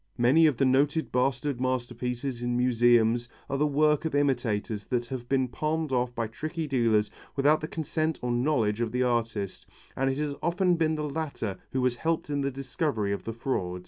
Many of the noted bastard masterpieces in museums are the work of imitators that have been palmed off by tricky dealers without the consent or knowledge of the artist, and it has often been the latter who has helped in the discovery of the fraud.